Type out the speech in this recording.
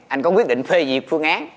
anh có quyết định phê diệt phương án